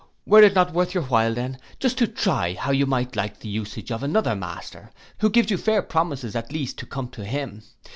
Were it not worth your while then, just to try how you may like the usage of another master, who gives you fair promises at least to come to him.